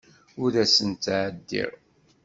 Ur asent-ttɛeddiɣ.